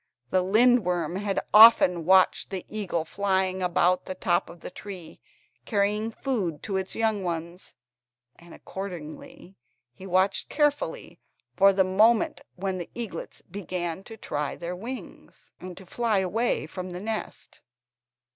The lindworm had often watched the eagle flying about the top of the tree, carrying food to his young ones and, accordingly, he watched carefully for the moment when the eaglets began to try their wings and to fly away from the nest.